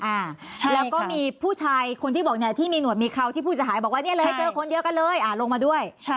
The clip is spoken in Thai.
อ่าใช่แล้วก็มีผู้ชายคนที่บอกเนี่ยที่มีหนวดมีเขาที่ผู้เสียหายบอกว่าเนี่ยเลยเจอคนเดียวกันเลยอ่าลงมาด้วยใช่